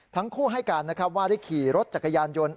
ทั้งคู่ให้การนะครับว่าได้ขี่รถจักรยานยนต์